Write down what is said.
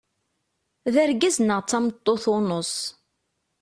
D argaz neɣ tameṛṛut uneṣ.